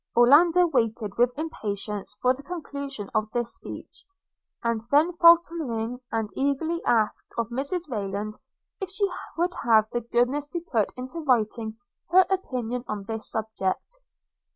Orlando waited with impatience for the conclusion of this speech; and then falteringly and eagerly asked of Mrs Rayland, if she would have the goodness to put into writing her opinion on this subject?